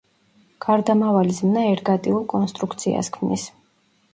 გარდამავალი ზმნა ერგატიულ კონსტრუქციას ქმნის.